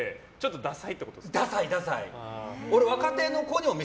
ダサい。